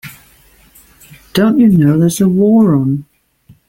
Don't you know there's a war on?